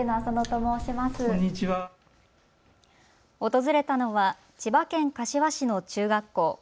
訪れたのは千葉県柏市の中学校。